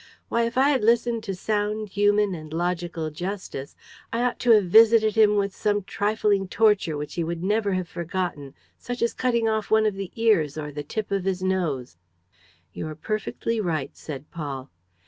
Why, if I had listened to sound human and logical justice, I ought to have visited him with some trifling torture which he would never have forgotten, such as cutting off one of the ears or the tip of his nose!" "You're perfectly right," said Paul.